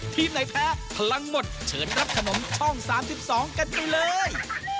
ทีมไหนแพ้พลังหมดเชิญรับขนมช่อง๓๒กันไปเลย